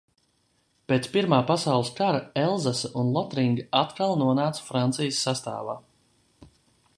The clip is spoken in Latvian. Pēc Pirmā pasaules kara Elzasa un Lotringa atkal nonāca Francijas sastāvā.